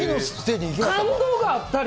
感動があったり。